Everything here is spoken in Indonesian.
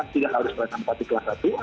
tidak harus berasal di kelas satu